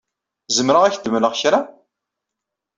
Zemreɣ ad ak-d-mleɣ kra?